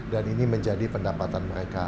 dan ini menjadi pendapatan mereka